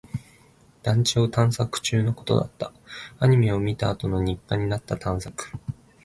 団地を探索中のことだった。アニメを見たあとの日課になった探索。